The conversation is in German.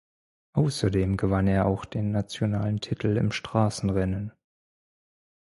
Außerdem gewann er auch den nationalen Titel im Straßenrennen.